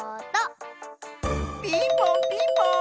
ピンポンピンポーン！